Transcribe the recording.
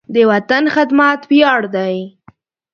د وطن خدمت ویاړ دی.